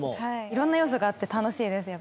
いろんな要素があって楽しいです、やっぱり。